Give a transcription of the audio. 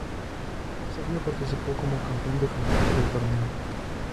Serbia participó como campeón defensor del torneo.